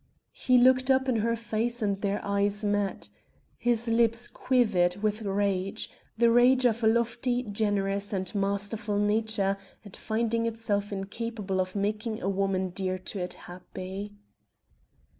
He looked up in her face and their eyes met his lips quivered with rage the rage of a lofty, generous, and masterful nature at finding itself incapable of making a woman dear to it happy.